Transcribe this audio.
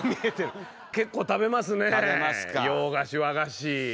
結構食べますね洋菓子和菓子。